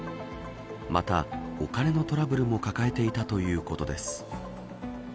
また、お金のトラブルも抱えていたということです。